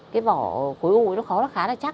cái vỏ khối u nó khá là chắc